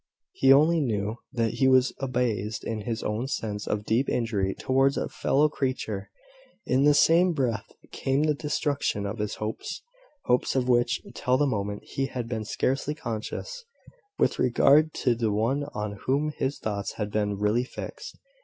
He only knew that he was abased in his own sense of deep injury towards a fellow creature. In the same breath came the destruction of his hopes, hopes, of which, till the moment, he had been scarcely conscious, with regard to the one on whom his thoughts had been really fixed.